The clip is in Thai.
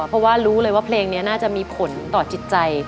เพราะว่ารู้เลยว่าเพลงนี้น่าจะมีผลต่อจิตใจ